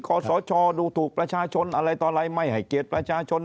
ขอสชดูถูกประชาชนอะไรต่ออะไรไม่ให้เกียรติประชาชน